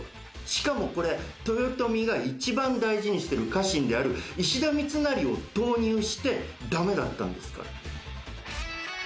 しかも、これ、豊臣が一番大事にしてる家臣である石田三成を投入してダメだったんですから。